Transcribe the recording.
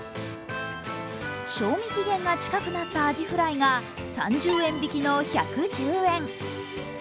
賞味期限が近くなったアジフライが３０円引きの１１０円。